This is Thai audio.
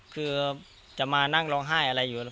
คือจะมานั่งร้องไห้อะไรอยู่